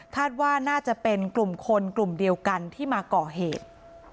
ว่าน่าจะเป็นกลุ่มคนกลุ่มเดียวกันที่มาก่อเหตุ